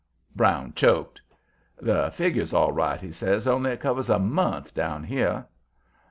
Brown choked. "The figure's all right," he says, "only it covers a month down here."